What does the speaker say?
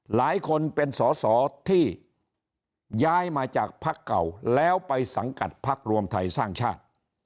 หลายคนเป็นสอสอที่ย้ายมาจากพักเก่าแล้วไปสังกัดพักรวมไทยสร้างชาติ